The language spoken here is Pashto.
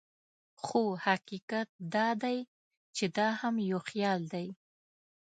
خو حقیقت دا دی چې دا هم یو خیال دی.